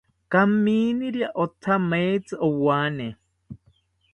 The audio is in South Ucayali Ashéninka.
Kaminiria othameitzi owane